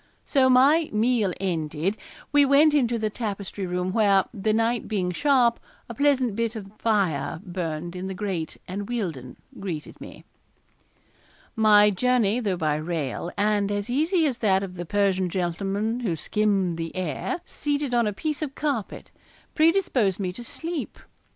So, my meal ended, we went into the tapestry room where, the night being sharp, a pleasant bit of fire burned in the grate, and Wealdon greeted me. My journey, though by rail, and as easy as that of the Persian gentleman who skimmed the air, seated on a piece of carpet, predisposed me to sleep.